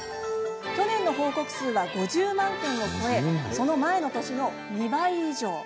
去年の報告数は５０万件を超えその前の年の２倍以上。